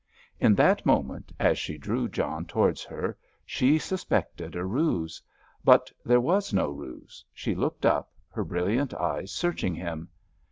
In that moment, as she drew John towards her, she suspected a ruse. But there was no ruse. She looked up, her brilliant eyes searching him.